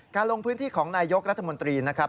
ลงพื้นที่ของนายยกรัฐมนตรีนะครับ